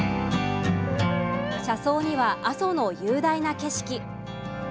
車窓には阿蘇の雄大な景色。